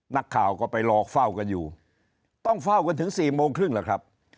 นักข่าวก็ไปรอเฝ้ากันอยู่ต้องเฝ้ากันถึง๔โมงครึ่งแหละครับ